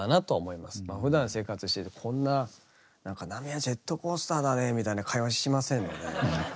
まあふだん生活しててこんな「波はジェットコースターだね」みたいな会話しませんもんね。